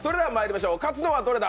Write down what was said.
勝つのはどれだ！？